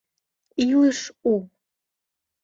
Илыш у